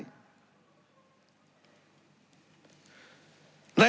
ในผ่างที่แบบนี้